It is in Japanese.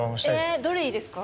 えどれいいですか？